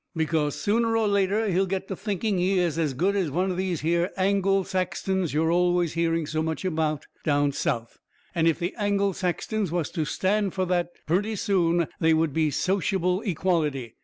Because sooner or later he will get to thinking he is as good as one of these here Angle Saxtons you are always hearing so much talk about down South. And if the Angle Saxtons was to stand fur that, purty soon they would be sociable equality.